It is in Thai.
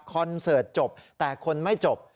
เสิร์ตจบแต่คนไม่จบ